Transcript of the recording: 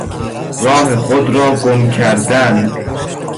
راه خود را گم کردن